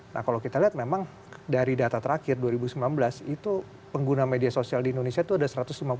nah kalau kita lihat memang dari data terakhir dua ribu sembilan belas itu pengguna media sosial di indonesia itu ada satu ratus lima puluh